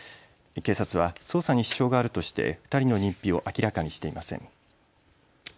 警察は捜査に支障があるとして２人の認否を明らかにしていません。